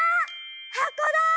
はこだ！